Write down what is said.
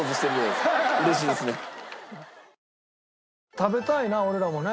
食べたいな俺らもね。